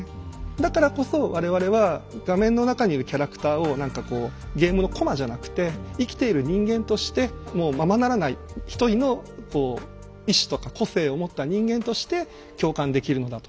だからこそ我々は画面の中にいるキャラクターを何かこうゲームのコマじゃなくて生きている人間としてもうままならない一人のこう意思とか個性を持った人間として共感できるのだと。